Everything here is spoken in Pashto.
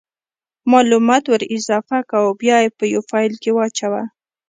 مالومات ور اضافه که او بیا یې په یو فایل کې واچوه